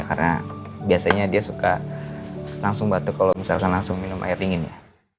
karena biasanya dia suka langsung batuk kalau misalkan langsung minum air dingin ya